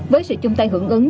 với sự chung tay hưởng ứng